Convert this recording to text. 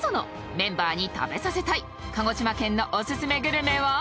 メンバーに食べさせたい鹿児島県のオススメグルメは？